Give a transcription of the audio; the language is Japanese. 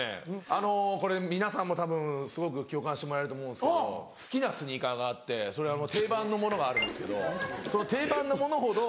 あのこれ皆さんもたぶんすごく共感してもらえると思うんですけど好きなスニーカーがあってそれ定番のものがあるんですけどその定番のものほど。